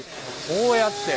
こうやって。